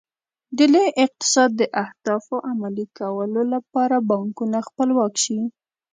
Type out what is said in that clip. د لوی اقتصاد د اهدافو عملي کولو لپاره بانکونه خپلواک شي.